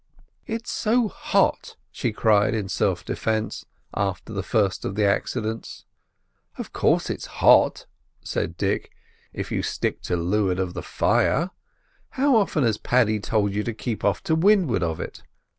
"It's so hot!" she cried in self defence, after the first of the accidents. "Of course it's hot," said Dick, "if you stick to looward of the fire. How often has Paddy told you to keep to windward of it!"